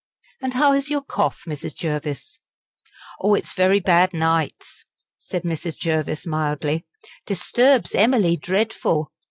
"And how is your cough, Mrs. Jervis?" "Oh! it's very bad, nights," said Mrs. Jervis, mildly "disturbs Emily dreadful.